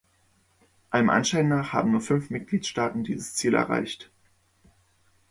Allem Anschein nach haben nur fünf Mitgliedstaaten dieses Ziel erreicht.